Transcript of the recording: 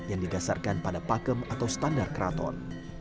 yang digasarkan pada pakem atau standar keraton